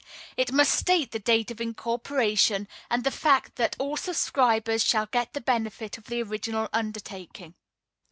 It must state the date of incorporation, and the fact that "all subscribers shall get the benefit of the original undertaking.